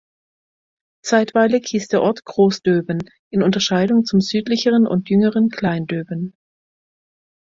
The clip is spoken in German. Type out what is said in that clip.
Zeitweilig hieß der Ort "Groß Döben", in Unterscheidung zum südlicheren und jüngeren Klein Döben.